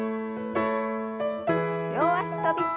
両脚跳び。